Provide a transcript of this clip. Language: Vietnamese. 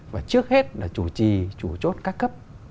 và trước hết là chủ trì chủ chốt các cấp